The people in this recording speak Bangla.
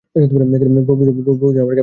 প্রভু যেন আমাকে এই কার্যের যোগ্য করেন।